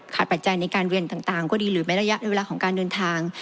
ปัจจัยในการเวียนต่างก็ดีหรือไม่ระยะในเวลาของการเดินทาง